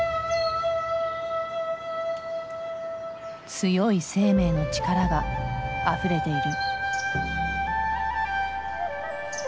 強い生命の力があふれている。